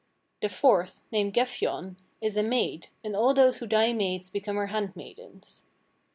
The fourth, named Gefjon, is a maid, and all those who die maids become her hand maidens.